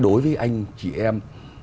đối với anh chị em